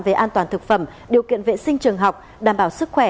về an toàn thực phẩm điều kiện vệ sinh trường học đảm bảo sức khỏe